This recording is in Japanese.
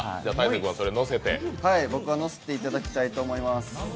僕は、のせていただきたいと思います。